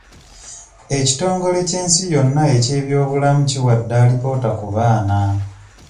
Ekitongele ky'ensi yonna eky'ebyobulamu kiwadde alipoota ku baana.